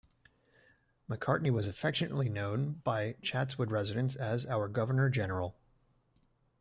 Macartney was affectionately known by Chatswood residents as "our Governor General".